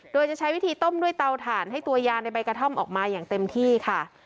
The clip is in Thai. โดยจะใช้วิธีต้มด้วยเตาถ่านให้ตัวยาในใบกระท่อมออกมาอย่างเต็มที่ค่ะ